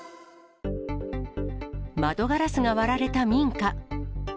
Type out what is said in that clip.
窓ガラスが割られた民家。